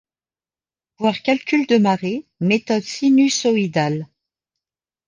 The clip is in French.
Voir Calcul de marée, Méthode sinusoïdale.